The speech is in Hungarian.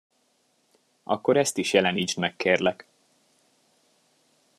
Akkor ezt is jelenítsd meg, kérlek!